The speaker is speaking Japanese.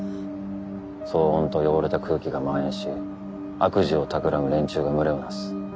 騒音と汚れた空気が蔓延し悪事をたくらむ連中が群れを成す。